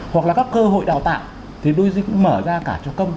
hoặc là các cơ hội đào tạo thì đôi giữa cũng mở ra cả cho công